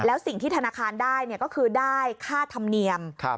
แล้วสิ่งที่ธนาคารได้ก็คือได้ค่าธรรมเนียม